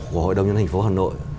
của hội đồng nhân thành phố hà nội